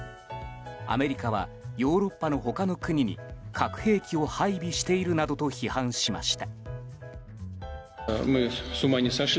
アメリカはヨーロッパの他の国に核兵器を配備しているなどと批判しました。